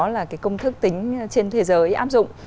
là công thức tính trên thế giới áp dụng